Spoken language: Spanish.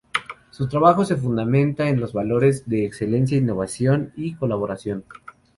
Su trabajo se fundamenta en los valores de excelencia, innovación y colaboración.